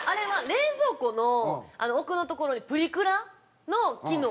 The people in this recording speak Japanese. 冷蔵庫の奥の所にプリクラの機能。